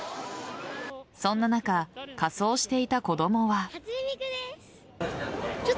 そんな中、仮装していた子供は。